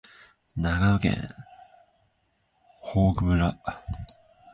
長野県泰阜村